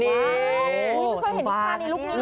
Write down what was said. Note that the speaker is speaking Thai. นี่มึงก็เห็นนิชชานี่ลูกนี้ด้วย